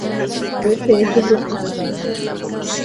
Por este hecho fue procesado.